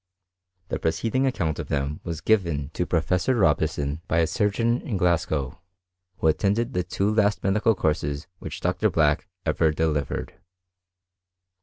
The preceding account of them was given to Professor Robison by a surgeon in Glasgow, who attended the two last medical courses which Dr. Black ever delivered.